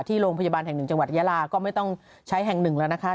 โรงพยาบาลแห่งหนึ่งจังหวัดยาลาก็ไม่ต้องใช้แห่งหนึ่งแล้วนะคะ